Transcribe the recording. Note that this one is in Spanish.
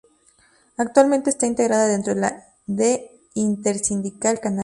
Actualmente está integrada dentro de Intersindical Canaria.